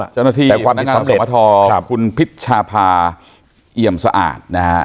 เจ้าหน้าที่นางงานอสมทคุณพิษภาเอี่ยมสะอาดนะฮะ